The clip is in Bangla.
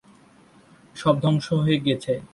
সব ধ্বংস হয়ে গেছে।